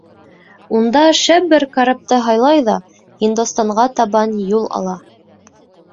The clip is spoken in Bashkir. Унда шәп бер карапты һайлай ҙа Һиндостанға табан юл ала.